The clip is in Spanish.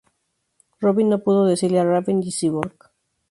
Robin no pudo decirle a Raven y Cyborg.